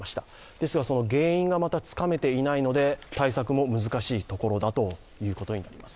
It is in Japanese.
ですが原因がつかめていないので対策も難しいところだということです。